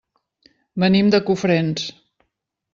Venim de Cofrents.